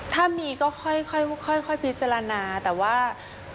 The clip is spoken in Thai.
ถ้ามีก็ค่อยพิจารณาแต่ว่า